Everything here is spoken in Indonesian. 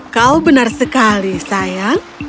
kau benar sekali sayang